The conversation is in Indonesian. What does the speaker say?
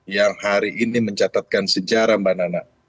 yang hari ini mencatatkan sejarah mbak nana